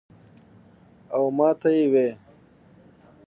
او ماته ئې وې ـ "